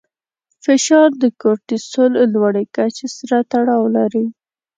فشار د کورټیسول لوړې کچې سره تړاو لري.